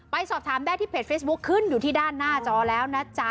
สอบถามได้ที่เพจเฟซบุ๊คขึ้นอยู่ที่ด้านหน้าจอแล้วนะจ๊ะ